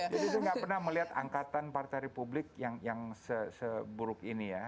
jadi saya nggak pernah melihat angkatan partai republik yang seburuk ini ya